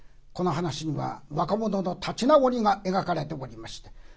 この噺には若者の立ち直りが描かれておりまして。